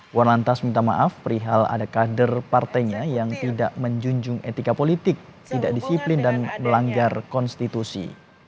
puan lantas minta maaf perihal ada kader partainya yang tidak menjunjung etika politik tidak disiplin dan melanggar konstitusi